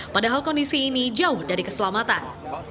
padahal kondisi ini jauh dari keselamatan